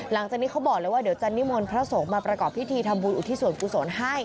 หลังจากนี้เขาบอกเลยว่าเดี๋ยวจะนิมนต์พระสงฆ์มาประกอบพิธีทำบุญอุทิศส่วนกุศลให้